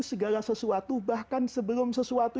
segala sesuatu bahkan sebelum sesuatu